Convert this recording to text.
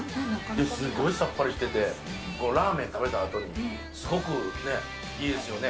すごいさっぱりしてて、ラーメン食べたあとに、すごくね、いいですよね。